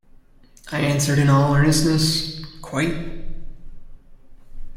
I answered in all earnestness, "Quite."